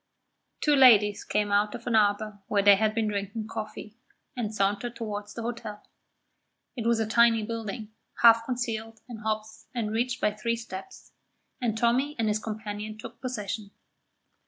Two ladies came out of an arbour where they had been drinking coffee, and sauntered towards the hotel. It was a tiny building, half concealed in hops and reached by three steps, and Tommy and his companion took possession.